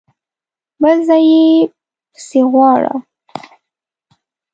بل ځای يې پسې غواړه!